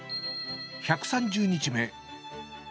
１３０日目。